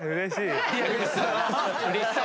うれしそう！